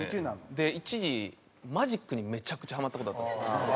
一時マジックにめちゃくちゃハマった事あったんですよ。